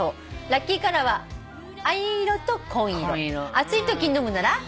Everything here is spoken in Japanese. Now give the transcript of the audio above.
「暑い時に飲むなら」